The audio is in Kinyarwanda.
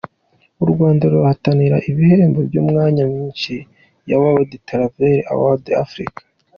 U Rwanda ruhatanira ibihembo ku myanya myinshi ya World Travel Awards, Africa.